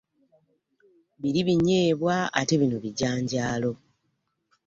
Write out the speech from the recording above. Biri binyeebwa ate bino bijanjaalo.